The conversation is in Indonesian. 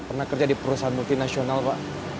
pernah kerja di perusahaan multinasional pak